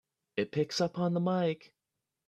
It picks up on the mike!